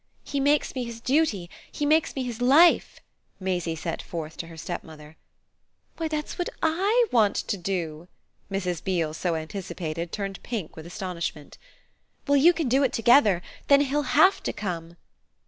"He makes me his duty he makes me his life," Maisie set forth to her stepmother. "Why that's what I want to do!" Mrs. Beale, so anticipated, turned pink with astonishment. "Well, you can do it together. Then he'll HAVE to come!"